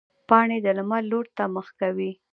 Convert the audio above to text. پاڼې د لمر لوري ته مخ کوي